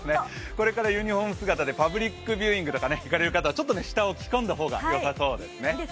これからユニフォーム姿でパブリックビューイングとか行かれる方はちょっと下を着込んだ方がよさそうですね。